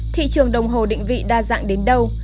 thị trường đồng hồ định vị đa dạng đến đâu